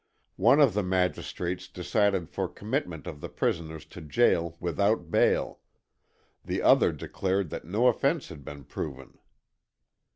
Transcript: One of the magistrates decided for commitment of the prisoners to jail without bail; the other declared that no offense had been proven.